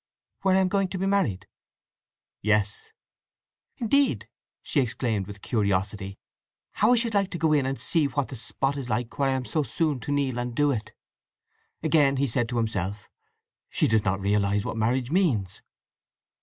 "Where I am going to be married?" "Yes." "Indeed!" she exclaimed with curiosity. "How I should like to go in and see what the spot is like where I am so soon to kneel and do it." Again he said to himself, "She does not realize what marriage means!"